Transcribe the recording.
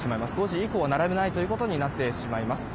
５時以降は並べないということになってしまいます。